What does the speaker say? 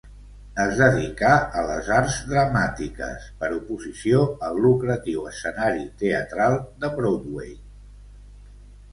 Es dedicà a les arts dramàtiques, per oposició al lucratiu escenari teatral de Broadway.